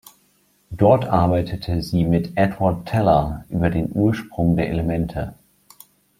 Dort arbeitete sie mit Edward Teller über den Ursprung der Elemente.